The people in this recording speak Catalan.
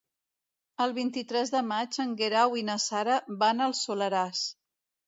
El vint-i-tres de maig en Guerau i na Sara van al Soleràs.